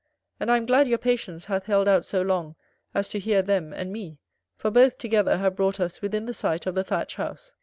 And I am glad your patience hath held out so long as to hear them and me, for both together have brought us within the sight of the Thatched House.